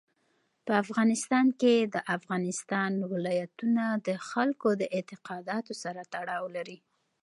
په افغانستان کې د افغانستان ولايتونه د خلکو د اعتقاداتو سره تړاو لري.